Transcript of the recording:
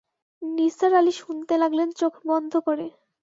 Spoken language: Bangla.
নিসার আলি শুনতে লাগলেন চোখ বন্ধ করে।